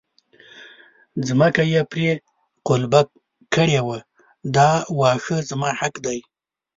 ځمکه یې پرې قلبه کړې وه دا واښه زما حق دی.